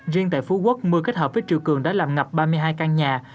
riêng tại phú quốc mưa kết hợp với triều cường đã làm ngập ba mươi hai căn nhà